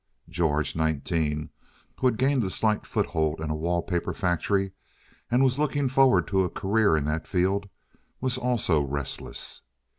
George, nineteen, who had gained a slight foothold in a wall paper factory and was looking forward to a career in that field, was also restless.